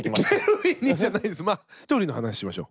ひとりの話しましょう。